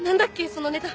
そのネタ。